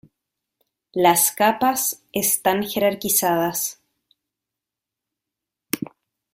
Las capas están jerarquizadas.